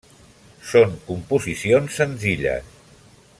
Són composicions senzilles.